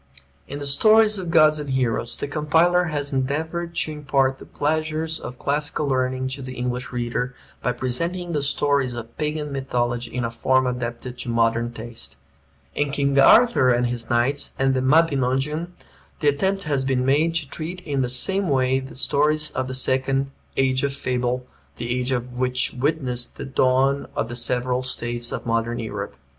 In the "Stories of Gods and Heroes" the compiler has endeavored to impart the pleasures of classical learning to the English reader, by presenting the stories of Pagan mythology in a form adapted to modern taste. In "King Arthur and His Knights" and "The Mabinogeon" the attempt has been made to treat in the same way the stories of the second "age of fable," the age which witnessed the dawn of the several states of Modern Europe.